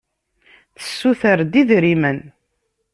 Tessuter-d idrimen.